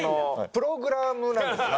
プログラムなんですよ。